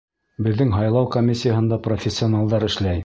Беҙҙең һайлау комиссияһында профессионалдар эшләй.